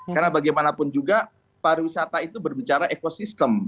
karena bagaimanapun juga para wisata itu berbicara ekosistem